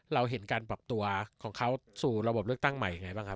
เราเห็นการปรับตัวของเขาสู่ระบบเลือกตั้งใหม่ยังไงบ้างครับ